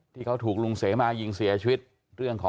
ที่เขาถูกลุงเสมายิงเสียชีวิต